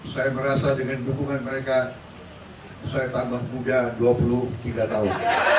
saya merasa dengan dukungan mereka saya tambah muda dua puluh tiga tahun